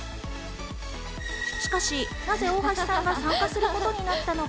しかし、なぜ大橋さんが参加することになったのか？